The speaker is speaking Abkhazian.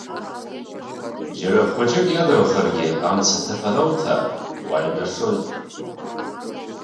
Џьара хәыҷык иадамхаргьы амц аҭыԥ аноуҭа, уааҩнашоит.